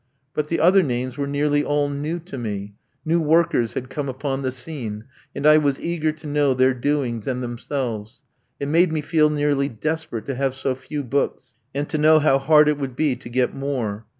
But the other names were nearly all new to me; new workers had come upon the scene, and I was eager to know their doings and themselves. It made me feel nearly desperate to have so few books, and to know how hard it would be to get more.